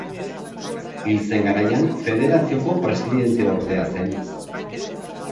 Hil zen garaian federazioko presidenteordea zen.